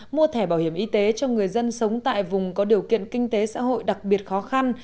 mua thẻ bảo hiểm y tế cho người dân sống tại vùng có điều kiện kinh tế xã hội đặc biệt khó khăn